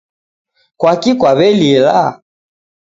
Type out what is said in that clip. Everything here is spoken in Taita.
Kwaki kwawelila